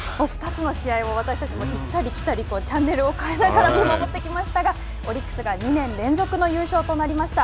２つの試合を私たちも行ったり来たりチャンネルを変えながら見守ってきましたがオリックスが２年連続の優勝となりました。